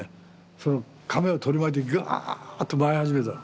そのかめを取り巻いてぐわっと回り始めたの。